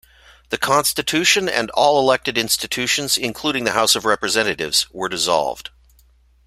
The constitution and all elected institutions, including the House of Representatives, were dissolved.